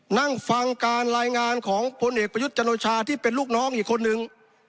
นั่งฟังการรายงานของพลเอกประยุทธ์จันโอชาที่เป็นลูกน้องอีกคนนึง